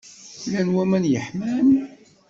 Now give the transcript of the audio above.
Llan waman yeḥman?